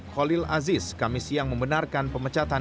khalil aziz kamis yang membenarkan pemecatan